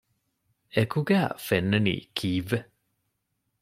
އެކުގައި ފެންނަނީ ކީއްވެ؟